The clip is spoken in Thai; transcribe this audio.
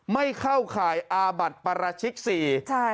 ไม่เข้าข่ายอาบัติประชิกศรี